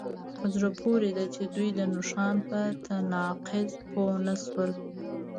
په زړه پورې ده چې دوی د نښان په تناقض پوه نشول